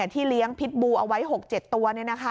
ที่เลี้ยงพิษบูเอาไว้๖๗ตัว